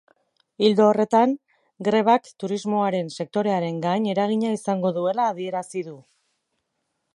Ildo horretan, grebak turismoaren sektorearen gain eragina izango duela adierazi du.